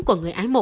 của người ái mộ